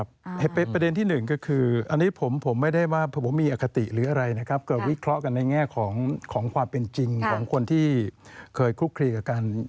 ประเด็นที่หนึ่งก็คืออันนี้ผมไม่ได้ว่าผมมีอคติหรืออะไรนะครับก็วิเคราะห์กันในแง่ของความเป็นจริงของคนที่เคยคลุกคลีกับการ